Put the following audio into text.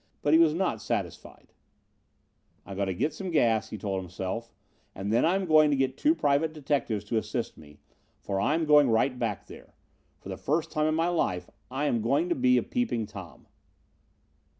But he was not satisfied. "I am going to get some gas," he told himself, "and then I am going to get two private detectives to assist me, for I'm going right back there. For the first time in my life I am going to be a Peeping Tom.